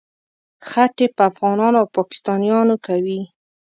خټې په افغانانو او پاکستانیانو کوي.